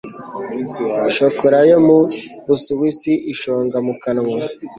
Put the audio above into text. shokora yo mu busuwisi ishonga mu kanwa